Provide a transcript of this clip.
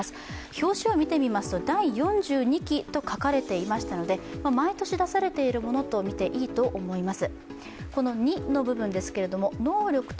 表紙を見てみますと、第４２期と書かれていましたので、毎年出されているものとみていいと思います。